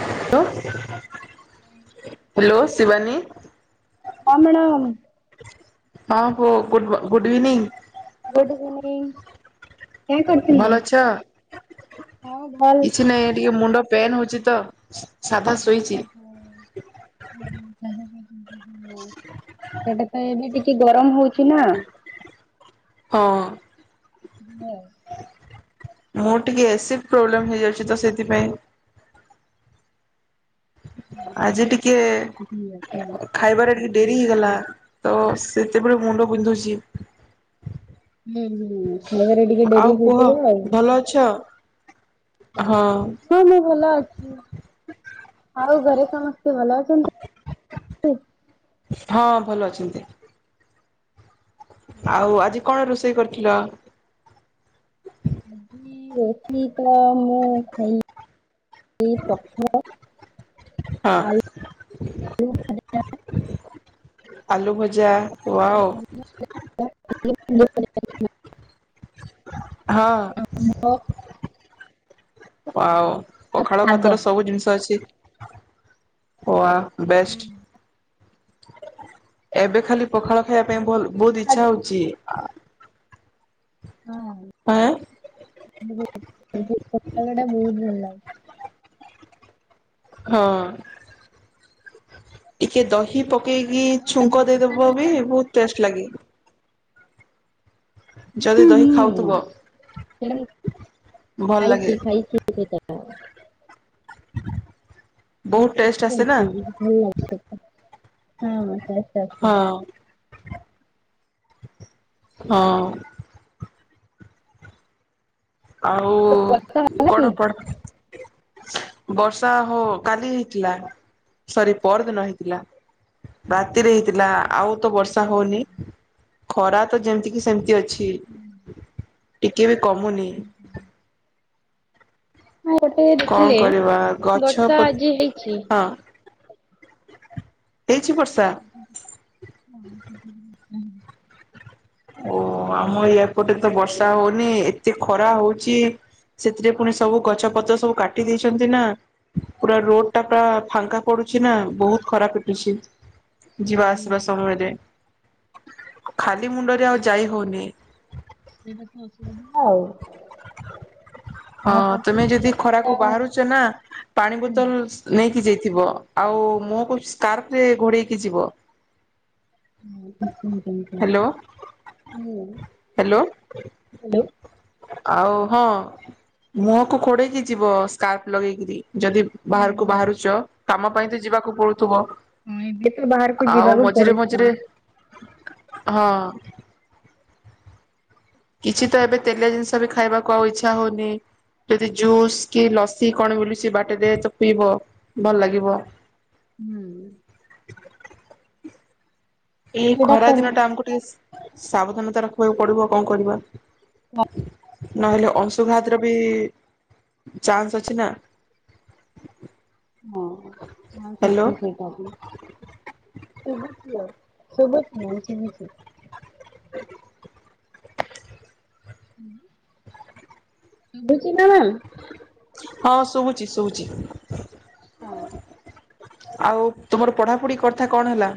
Hello. Hello Shivani. ହଁ madam. ହଁ କୁଅ ଗୁଡ-ମ-ଗୁଡ୍ ଇଭିନିଂ। Good evening. କାଁ କରିଥିଲେ? ଭଲ ଅଛ? ହଁ ଭଲ। [inaudible] କିଛି ନାଇଁ ଏ ଟିକେ ମୁଣ୍ଡ ପେନ୍ ହୋଉଚି ତ। ସାବାସ୍ ଓହୋ। ଶୋଇଚି। [unintelligible] [inaudible] ଏବେ ଟିକେ ଗରମ ହୋଉ [unintelligible] ହଁ। ମୋର ଟିକେ ଏସିଡ ପ୍ରୋବ୍ଲେମ ହେଇଯାଉଚି ତ ସେଇଥିପାଇଁ ଆଜି ଟିକେ ହୁଁ ଖାଇବାରେ [unintelligible] ଡେରି ହେଇଗଲା ତ ସେତେବେଳୁ ମୁଣ୍ଡ ବିନ୍ଧୁଚି। ମୁଁ ମୁଁ ହୁଁ ଖାଇବାରେ ଟିକେ ଡେରି କୁହ ହେଇଗଲା ଆଉ। ଭଲ ଅଛ? ହଁ ହଁ ମୁଁ ଭଲ ଅଛି। ଆଉ ଘରେ ସମସ୍ତେ ଭଲ ଅଛନ୍ତି ତ? ହଁ ଭଲ ଅଛନ୍ତି। ଆଉ ଆଜି କଣ ରୋଷେଇ କରିଥିଲ? ନି ରୋଷେଇ ତ ମୁଁ ଖାଇଲି ପଖାଳ ହଁ। [unintelligible] ଆଲୁ ଭଜା। ଭଜା ୱାଓ। [unintelligible] ହଁ। ଆଉ ଆଉ ପଖାଳ ଶାଗ। ଭାତର ସବୁ ଜିନିଷ ଅଛି। ଓ-ଆ ବେଷ୍ଟ। ହଁ ଏବେ ଖାଲି ପଖାଳ ଖାଇବା ପାଇଁ ଭଲ, ବୋହୁତ ଇଚ୍ଛା ହଉଚି ଆ ଆଁ? [unintelligible] ସେ ପୋଟଳଟା ବହୁତ ଭଲ। ଲାଗୁଛି। ହଁ। ଟିକେ ଦହି ପ କେଇକି ଛୁଙ୍କ ଦେଇଦବ ବି ବହୁତ ଟେଷ୍ଟ ଲାଗେ। ଯଦି ହୁଁ ଦହି ହୁଁ ଖାଉଥିବ ସେଇଟା ମୁଁ ଭଲ ଖାଇଛି ଲାଗେ। ଖାଇଛି। ବହୁତ ଟେଷ୍ଟ ଆସେ ନା। ଯାଇଛି ଭଲ ହଁ ବା। [unintelligible] ଆସିନି। ହଁ। ହଁ। ଆଉ ହେଲା କି କଣ ପଣ ବର୍ଷା ହ କାଲି ହେଇଥିଲା, ସରି ପଅର ଦିନ ହେଇଥିଲା ରାତିରେ ହେଇଥିଲା, ଆଉ ତ ବର୍ଷା ହଉନି। ଖରା ତ ଯେମିତି କି ସେମିତି ଅଛି। ହୁଁ। ଟିକେ ବି କମୁନି। ହଁ ଗୋଟେ କଣ ଦେଖିଲେ କରିବା ଗଛ ବର୍ଷା ପ ଆଜି ହେଇଛି। ହଁ। ହେଇଛି ବର୍ଷା? [unintelligible] ହୁଁ। ଓ ଆମ ଇୟାପଟରେ ତ ବର୍ଷା ହଉନି ଏତେ ଖରା ହଉଛି ସେଥିରେ ପୁଣି ସବୁ ଗଛ ପତ ସବୁ କାଟି ଦେଇଛନ୍ତି ନା ପୁରା ରୋଡ ଟା ପୁରା ଫାଙ୍କା ପଡୁଛି ନା ବହୁତ ଖରା ପିଟୁଛି। ଯିବା ହୁଁ ଆସିବା ହୁଁ ସମୟରେ। ଖାଲି ମୁ ଯାଇ ହଉନି [inaudible] ସେଇଟା ତ ଅସୁବିଧା ଆଉ କଣ ହଁ ତମେ କରୁଛନ୍ତି ଯଦି ଲୋକ ପୁରା ଖରାକୁ ହୁଁ ବାହାରୁଛ ନା ପାଣି ହୁଁ ବୋତଲ ନେଇକି ଯାଇ ଥିବ ଆଉ ମୁହଁକୁ ସ୍କାର୍ଫ ରେ ଘୋଡେଇକି ଯିବ। ହମ ହ୍ୟାଲୋ ହୁଁ ହ୍ୟାଲୋ ଆଉ ହଁ ମୁହଁକୁ ଖୋଡେଇକି ଯିବ ସ୍କାର୍ପ ଲଗେଇକିରି। ଯଦି ବାହାରକୁ ହଁ ବାହାରୁଛ। କାମ ପାଇଁ ତ ଯିବାକୁ ପଡୁଥିବ। ହଁ ଏବେ ତ ବାହାରକୁ ଆଉ ଯିବାକୁ ମଝିରେ ପଡୁଛି ମଝିରେ ହଁ କିଛି ତ ଏବେ ତେଲିଆ ଜିନିଷ ବି ଖାଇବାକୁ ଆଉ ଇଚ୍ଛା ହଉନି ଯଦି ଜୁସ୍ କି ଲସି କଣ ମିଲୁଛି ବାଟରେ ତ ପିଇବ ଭଲ ଲାଗିବ। ହୁଁ। [inaudible] ଏଇ ସେଇଟା ଖରା ତ ହଁ ଦିନ ଟା ଆମକୁ ଟିକେ ସାବଧାନତାର ହକୁ ପଡିବ କଣ କରିବା ନହେଲେ ଅଂଶୁଘାତର ବି ଚାନ୍ସ ଅଛି ନା। ହଁ ହ୍ୟାଲୋ ସଚି ସେଇଟା ଶୁଭୁଛି ନାହି ସୁଭୁଛି [inaudible] [inaudible] ଶୁଭିଛି ନା ହଁ ଶୁଭୁଛି ଶୁଭୁଛି। ହଁ। ଆଉ ତୁମର ପଢାପଢି କଥା କଣ ହେଲା?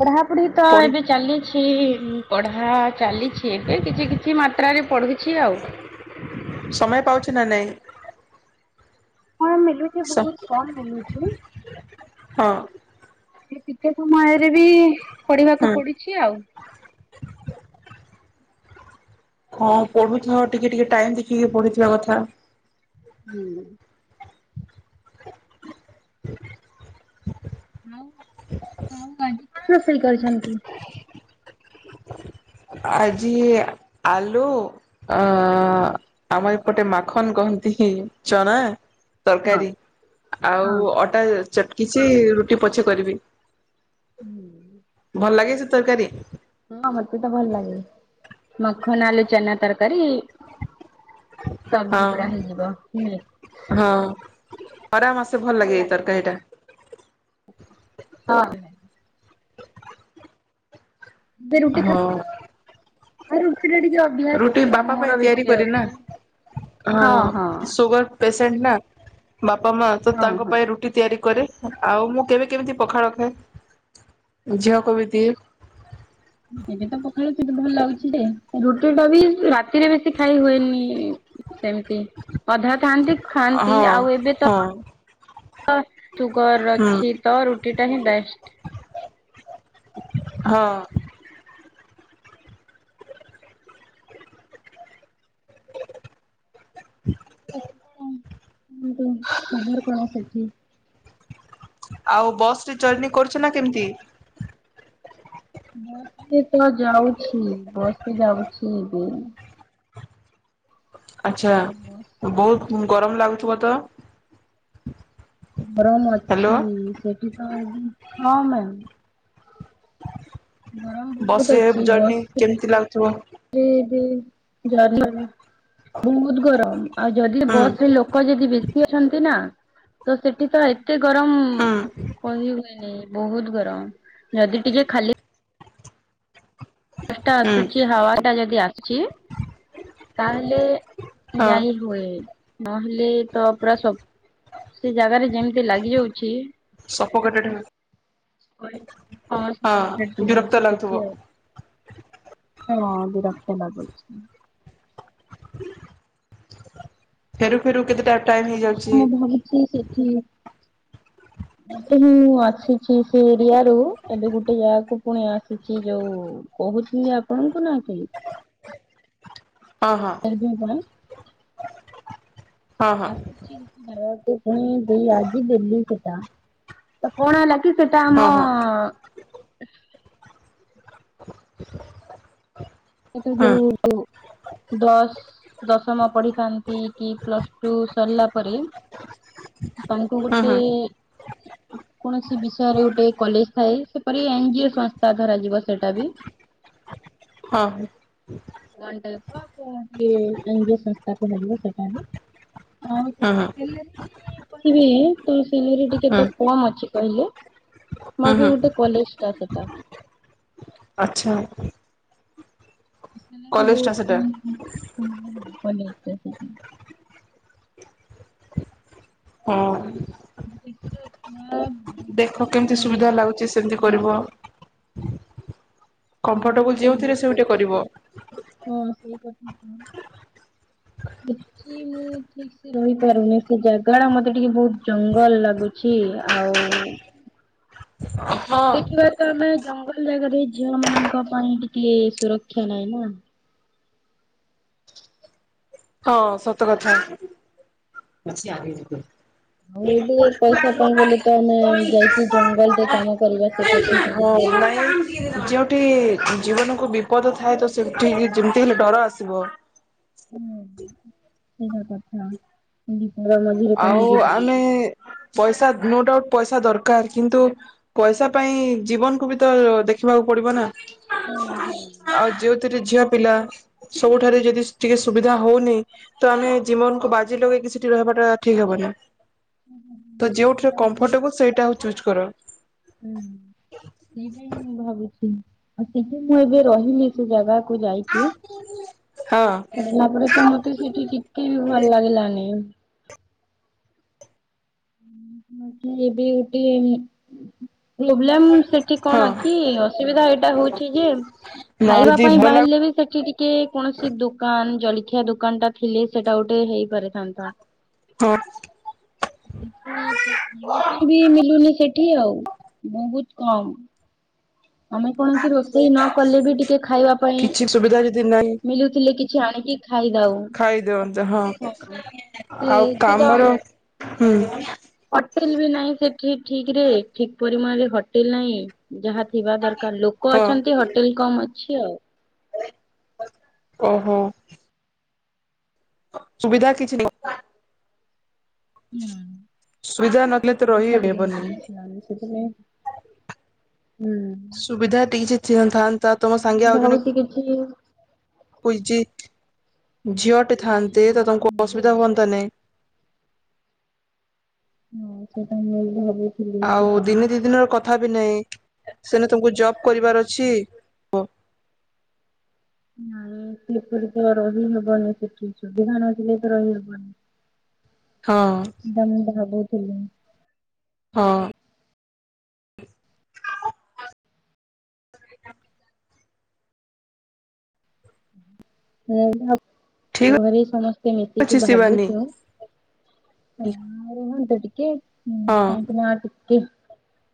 ପଢାପଢୀ ତ ପଢି ଏବେ ଚାଲିଛି। ହଁ। ପଢ଼ା ଚାଲିଛି ଏବେ କିଛି କିଛି ମାତ୍ରାରେ ପଡୁଛି [inaudible] ସମୟ ପାଉଛି ନା ନାଇଁ କଣ ମିଲୁଛି ବହୁତ କମ ମଳୁଛି। ହଁ ସେ ଟିକେ ସମୟରେ ବି ପଢିବାକୁ ହଁ ପଡୁଛି ଆଉ। ହଁ ପଢୁଥାଅ ଟିକେ ଟିକେ ଟାଇମ ଦେଖିକ ପଢିଥିବା କଥା ହୁଁ। [inaudible] ଆଉ ଆଉ ଆଜି [inaudible] କଣ ରୋଷେଇ କରିଛନ୍ତି? ଆଜି ଆଲୁ ଅ ଆମର ଏପଟେ ମାଖନ କହନ୍ତି ଚଣା ହଁ। ତରକାରୀ ଆଉ ହଁ ଅଟା ଚଟ ଛି ରୁଟି ପଛେ କରିବି। ହଁ ଭଲ ଲାଗେ ସେ ତରକାରୀ ହଁ ମତେ ତ ଭଲ ଲାଗେ ମଖନ ଆଲୁ ଚନା ତରକାରୀ ସବଜି ପୁରା ହଁ ହେଇଯିବ ନୁହେଁ। ଖରାମାସେ ଭଲ ଲାଗେ ଏଇ ତରକାରୀଟା। ହଁ ହଁ। ଆରୁନ ରୁଟି ବାପା ପାଇଁ ତିଆରି କରିନା ଅଛି। ହଁ ସୁଗର ପେସ୍ ସେଣ୍ଟ ନା। ବାପା ମା ତ ହଁ ତାଙ୍କ ହଁ। ପାଇଁ ରୁଟି ତିଆରି କରେ। ଆଉ ମୁଁ କେବେ କେମିତି ପଖାଳ ଖାଏ ଝିଅ କୁ ବି ଦିଏ। ଏବେ ତ ପଖାଳି କିନ୍ତୁ ଭଲ ଲାଗୁଛି ଯେ ରୁଟି ଟା ବି ରାତିରେ ବେଶୀ ଖାଇ ହୁଏନି ସେମିତି ଅଧା ଥାଆନ୍ତି ଖାଆନ୍ତି ହଁ ଆଉ ଏବେ ତ ହଁ ସୁଗର ହୁଁ ଅଛି ତ ରୁଟି ଟା ହିଁ ବେଷ୍ଟ। ହଁ। [unintelligible] କୁହନ୍ତୁ କଣ ଉଁ ତ ଖବର କଣ ସେଠି? ଆଉ ବସ ରେ ଜର୍ଣ୍ଣି କରୁଛ ନା କେମିତି? ବସ ରେ ତ ଯାଉଛି ବସ ରେ ଯାଉଛି ମୁଁ। ଆଛା ବସ୍ ବହୁତ ବହୁ ଗରମ ଲାଗୁଥିବ ତ? ଗରମ ହ୍ୟାଲୋ। ଅଛି ସେଠି ତ ଏବେ ହଁ ମ୍ୟାମ୍। ବସରେ ଜର୍ଣ୍ନୀ କେମିତି ଲାଗୁ ଯେବେ ଯଦି ବହୁତ ଗରମ ଆଉ ଯଦି ହୁଁ ବସ ରେ ଲୋକ ଯଦି ବେଶୀ ଅଛନ୍ତି ନା ତ ସେଠି ତ ଏତେ ଗରମ ହୁଁ କହି ହୁଏନିଁ। ବହୁତ ଗରମ। ଯଦି ଟିକେ ଖାଲି ଟା ହୁଁ ଆସୁଛି ହାୱା ଟା ଯଦି ଆସୁଛି ତାହେଲେ ହଁ। ଯାଇ ହୁଏ। ନହେଲେ ତ ପୁରା ସବ ସେ ଜାଗାରେ ଯେମିତି ଲାଗି ଯାଉଛି ସଫୋକେଟେଡ୍ କଡେଇ ହଁ ସି ହଁ ସେଠି ବିରକ୍ତ ରହୁଛି ଲାଗୁଥିବ ସେଠି ଆଉ। ହଁ ବିରକ୍ତ ଲାଗୁଛି। ଫେରୁ ଫେରୁ କେତେଟା ଟାଇମ୍ ହେଇଯାଉଛି। ମୁ ଭାବୁଚି ସେଠି ଏବେ ମୁଁ ଆସୁଛି ସେ [unintelligible] ରୁ ଏବେ ଗୋଟେ ଜାଗାକୁ ପୁଣି ଆସିଛି ଯଉ କହୁଥିଲି ଆପଣଙ୍କୁ ନା କି? ହଁ ହଁ [unintelligible] ପୁଣି ହଁ ଦେଇ ଆଜି ଦେଲି ସେଟା ତ କଣ ହେଲା କି ସେଟା ଆମ ହଁ [unintelligible] ସେ ତ ହଁ ଯୋଉ ଦଶ ଦଶମ ପଢିଥାନ୍ତି କି ପ୍ଲସଟୁ ସରିଲା ପରେ ତାଙ୍କୁ ହଁ ହଁ ହଁ ଗୁଟେ କୌଣସି ବିଷୟରେ ଗୋଟେ କଲେଜ ଥାଏ ସେପରି ଏନଜିଓ ସଂସ୍ଥା ଧରାଯିବ ସେଟା ବି ହଁ ହ ୱାନ ଟାଇପ୍ ଓଫ ଏନଜୀଓ ସଂସ୍ଥା କୁହାଯିବ ସେଟାବି ଆଉ ହଁ କିଛି ହଁ ହଁ ହେଲେ ବି କହିବି ତୁ ସିଲ ଟିକେ ହଁ ତ କଣ ଅଛି କହିଲେ ହଁ ବାକି ହଁ ଗୋଟେ କଲେଜ ଟା ସେଟା ଆଚ୍ଛା ସେ ବି କଲେଜଟା ବହୁତ ସେଟା। [unintelligible] ସନ୍ଦେହ କଲେଜ ଟା ସେଇଟା ହଁ [unintelligible] ଦେଖ ବହୁତ କେମିତି ସୁବିଧା ଲାଗୁଛି ସେମତି କରିବ। କମ୍ଫର୍ଟେବୁଲ ତ ଯେଉଁଥିରେ ବହୁତ ସେଉଟା ଅଛି। କରିବ। ହଁ ସେଇ କଥା ତ ସେଠି ମୁଁ ଠିକ ସେ ରହିପାରୁନି ସେ ଜାଗା ଟା ମୋତେ ଟିକେ ବହୁତ ଜଙ୍ଗଲ ଲାଗୁଛି ଆଉ ହଁ। ଦେଖିବା ତ ଆମେ ଜଙ୍ଗଲ ଜାଗାରେ ଝିଅ ମାନଙ୍କ ପାଇଁ ଟିକେ ସୁରକ୍ଷା ନାହିଁ ନା। ହଁ ସତ କଥା। ନାଁ ଆଉ ଏବେ ପଇସା ପାଇଁ ବୋଲି ତ ଆମେ ଯାଇକି ଜଙ୍ଗଲରେ କାମ କରିବା ସେଇଟା ଠିକ ନୁହେଁ। ଏଇ ଯୋଉଠି ଜୀବନକୁ ବିପଦ ଥାଏ ତ ସେଠି ଯେମିତି ହେଲେ ଡର ଆସିବ। ହ ସେଇଟା କଥା ବିପଦ ମଝିରେ କାହିଁ ଆଉ ଯିବୁ। ହୁଁ ଆମେ ପଇସା ନୋଡାଉଟ ପଇସା ଦରକାର କିନ୍ତୁ ପଇସା ପାଇଁ ଜୀବନକୁୁ ବି ତ ଦେଖିବାକୁ ପଡିବ ନା। ହୁଁ ହୁଁ। ଆଉ ଯୋଉଥିରେ ଝିଅ ପିଲା ସବୁଠାରେ ଯଦି ଟିକେ ସୁବିଧା ହଉନି ତ ଆମେ ଜୀବନକୁ ବାଜି ଲଗେଇକି ସେଠି ରହିବାଟା ଠିକ୍ ହେବ ନା ତ ଯୋଉଠିରେ କମ୍ଫର୍ଟେବୁଲ ସେଇଟା ହଉଛି କର ହୁଁ ସେଇପାଇ ମୁଁ ଭାବୁଛି ଆଉ ସେଠି ମୁଁ ଏବେ ରହିଲି ସେ ଜାଗା ଯାଇକି ହଁ ରଲା ପରେ ତ ମତେ ସେଠି ଟିକେ ବି ଭଲ ଲାଗିଲାନି ଏବେ ଏ ବେ ଉଠ ପ୍ରୋବ୍ଲେମ ସେଠି ହଁ କଣ କି ଅସୁବିଧା ଏଇଟା ହଉଛି ଯେ ନା ଖାଇବା ଯଦି ପାଇଁ ଭଲ ବାହାରିଲେ ବି ସେଠି ଟିକେ କୌଣସି ଦୋକାନ ଜଲ ରଖିଆ ଦୋକାନ ଟା ଥିଲେ ସେଟା ଗୋଟେ ହେଇପାରେ ଛତା ହଁ ସେ ଖାଇବା ପାଇଁ ବି ମିଲୁନି ସେଠି ଆଉ ବହୁତ କମ ଆମେ କଣସି ରୋଷେଇ ନ କଲେ ବି ଟିକେ ଖାଇବା ପାଇଁ କିଛି ସୁବିଧା ଯଦି ନାହିଁ ମିଲୁଥିଲେ କିଛି ଆଣିକି ଖାଇ ଦଉ ଖାଇଦିଅନ୍ତେ ହଁ କି ଆଉ ଏଠି ତ କାମର ହୁଁ। ହଟେଲ ବି ନାହିଁ ସେଠି ଠିକ ରେ ଠିକ ପ ହଟିଲ ନାହିଁ ଯାହା ଥିବା ଦରକାର ଲୋକ ହଁ ଅଛନ୍ତି ହୋଟେଲ କମ ଅ ଛି ଆଉ ଓହୋ ସୁବିଧା କିଛି ନାହି ସୁବିଧା ନଥିଲେ ତ ରହି ହଁ ହେବନି ସେ ସୁବିଧା ଟିକଛି ଚିନ୍ଥାନ୍ତି ତା ତମ ସାଙ୍ଗେ ମୁଁ ଆଉ ଜଣେ ଭାବୁଛି କିଛି ଛି ଝିଅଟିେ ଥାନ୍ତେ ତ ତାଙ୍କୁ ଅସୁବିଧା ହୁଅନ୍ତା ନାହିଁ। ହଁ ସେଟା ମିଳ ଭାବୁଥିଲି ଆଉ ଦିନେ ଦି ଦିନ ର କଥା ନ ସେନ ତମକୁ ଜବ କରିବାର ଅଛି ନାଇଁ ଶିଲପୀ ତ ରହିହବନି ସେଠି ସୁବିଧାନଜିଲେ ତ ରହିହବନି। ଦମ ଭାବହୁତ କଲ ହଁ। [inaudible] ହୁଁ ଠିକ ଘରେ ସମସ୍ତେ ଅଛି ମିଶିକି ଶିବାନୀ ଭାବୁଛୁ ରୁହନ୍ତ ଟିକେ କି ହୁଁ ହଁ କାଇକିନ ନା ଟିକେ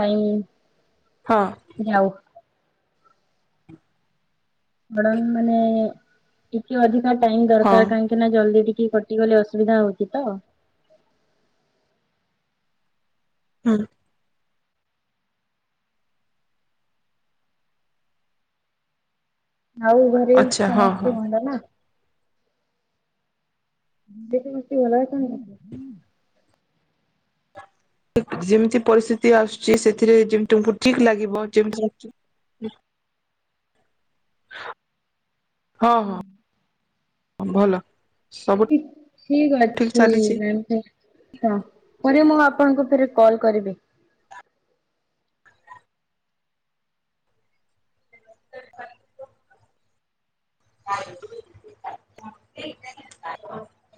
କାଇ ହଁ [inaudible] ଯାଉ ବଡ଼ ମାନେ ଟିକେ ଅଧିକ ନା ଟାଇମ ହଁ ଦରକାର କାହିଁକି ନା ଜଲଦି ଟିକେ କଟିଗଲେ ଅସୁବିଧା ହଉଛି ତ [inaudible] ହଁ। ଆଉ ଘରେ ଆଚ୍ଛା ହଁ ହଁ ସମସ୍ତେ ମନ୍ଦ ନା [inaudible] ଗୋ ଭଲା କ [inaudible] ଯେମିତି ପରିସ୍ଥିତି ଆସୁଛି, ସେଥିରେ ଯେମ ତମକୁ ଠିକ ଲାଗିବ ଯେମତି [inaudible] ହ ହୁଁ ଭଲ ସବୁ ଠିକ ଅଛି, ମ୍ୟାମ ହଁ ପରେ ମୁଁ ଆପଣଙ୍କୁ ଫେରେ କଲ କରିବି [inaudible] [unintelligible]